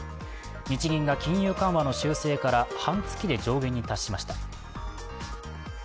日銀が金融緩和の修正から半月で上限に達しました。